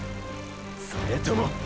それともっ！